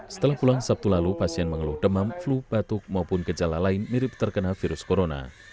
setelah pulang sabtu lalu pasien mengeluh demam flu batuk maupun gejala lain mirip terkena virus corona